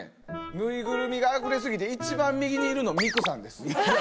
ぬいぐるみがあふれ過ぎて一番右にいるの美紅さんです。